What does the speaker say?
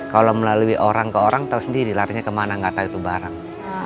kalau melalui orang ke orang tahu sendiri larinya kemana nggak tahu itu barang